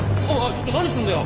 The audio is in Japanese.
ちょっと何だよ！？